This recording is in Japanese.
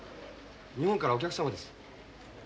日本からお客様です。